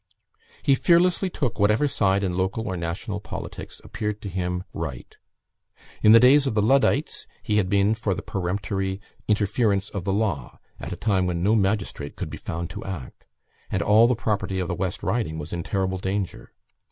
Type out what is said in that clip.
He fearlessly took whatever side in local or national politics appeared to him right. In the days of the Luddites, he had been for the peremptory interference of the law, at a time when no magistrate could be found to act, and all the property of the West Riding was in terrible danger.